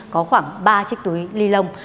có khoảng bao nhiêu chiếc túi đi lông